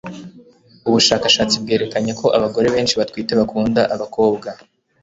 ubushakashatsi bwerekanye ko abagore benshi batwite bakunda abakobwa